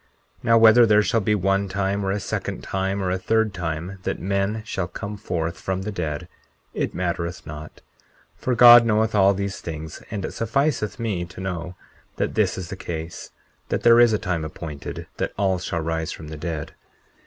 40:5 Now, whether there shall be one time, or a second time, or a third time, that men shall come forth from the dead, it mattereth not; for God knoweth all these things; and it sufficeth me to know that this is the case—that there is a time appointed that all shall rise from the dead.